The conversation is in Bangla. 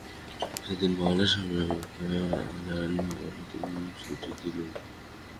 সেদিন বাগানে স্বামী আমাকে অনায়াসে বললেন, তোমাকে ছুটি দিলুম।